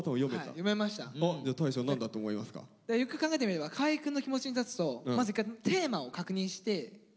よくよく考えてみれば河合くんの気持ちに立つとまず一回テーマを確認して。